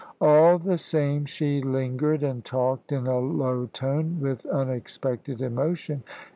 All the same she lingered, and talked in a low tone, with unexpected emotion.